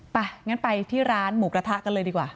งั้นไปที่ร้านหมูกระทะกันเลยดีกว่า